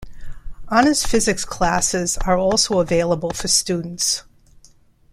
Honors Physics classes are also available for students.